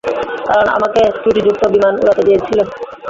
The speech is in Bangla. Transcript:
কারণ আমাকে ত্রুটিযুক্ত বিমান উড়াতে দিয়েছিল।